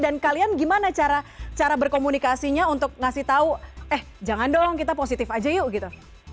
dan kalian gimana cara berkomunikasinya untuk ngasih tahu eh jangan dong kita positif aja yuk gitu